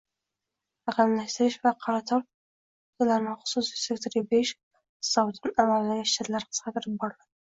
Raqamlashtirish va qator funksiyalarni xususiy sektorga berish hisobidan amaldagi shtatlar qisqartirib boriladi.